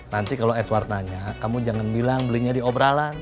nanti kalau edward nanya kamu jangan bilang belinya di obrolan